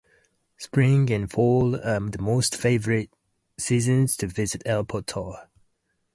Spring and fall are the most favorable seasons to visit Airport Tower.